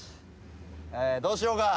どうしようか？